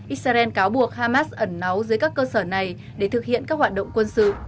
israel cáo buộc hamas ẩn nấu dưới các cơ sở này để thực hiện các hoạt động quân sự